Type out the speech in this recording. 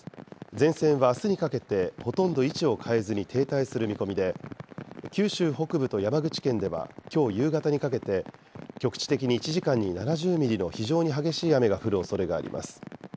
前線はあすにかけてほとんど位置を変えずに停滞する見込みで、九州北部と山口県ではきょう夕方にかけて、局地的に１時間に７０ミリの非常に激しい雨が降るおそれがあります。